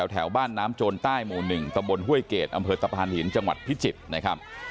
แถวบ้านน้ำโจรใต้หมู่๑ตะบนห้วยเกรดอำเภอตะพานหินจังหวัดพิจิตรนะครับ